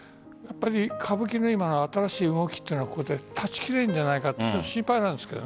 歌舞伎の今の新しい動きは断ち切れるんじゃないかと心配なんです。